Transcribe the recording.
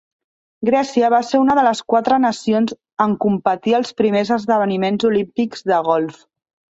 Grècia va ser una de les quatre nacions en competir als primers esdeveniments olímpics de golf.